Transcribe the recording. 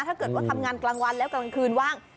ถ้าเกิดว่าทำงานกลางวันแล้วกลางคืนว่าง